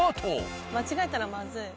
間違えたらまずい。